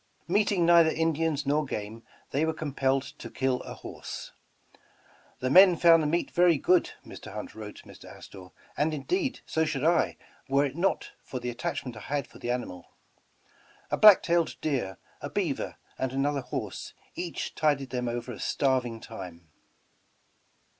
Meeting neither Indians nor game, they were com pelled to kill a horse. ''The men found the meat very good," Mr. Hunt wrote Mr. Astor, ''and, indeed, so should I, were it not for the attachment I had for the 188 Over the Rockies animal." A black tailed deer, a beaver, and another horse each tided them over a starving time.